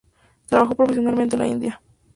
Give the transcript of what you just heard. Trabajó profesionalmente en la India.